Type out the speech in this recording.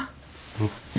うん。